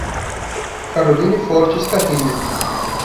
Caroline Fortes Carrilho